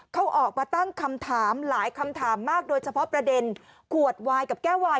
เขาออกมาตั้งคำถามหลายคำถามมากโดยเฉพาะประเด็นขวดวายกับแก้ววาย